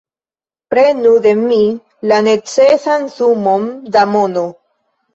Prenu de mi la necesan sumon da mono!